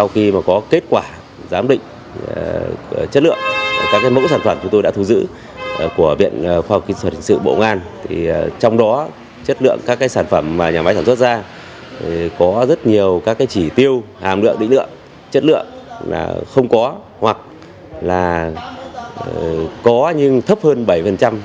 kết quả giám định của viện khoa học hình sự bộ công an cho thấy nhiều chỉ số trong các sản phẩm đều không đạt yêu cơ gây hại cho sức khỏe lại vượt quá quy định cho phép như chất béo và sắt